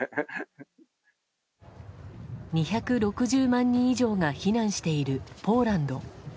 ２６０万人以上が避難しているポーランド。